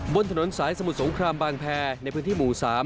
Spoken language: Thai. บนถนนสายสมุทรสงครามบางแพรในพื้นที่หมู่๓